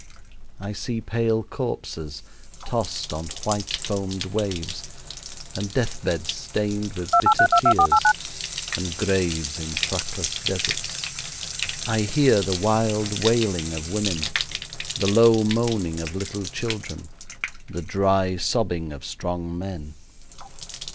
I see pale corpses tossed on white foamed waves, and death beds stained with bitter tears, and graves in trackless deserts. I hear the wild wailing of women, the low moaning of little children, the dry sobbing of strong men.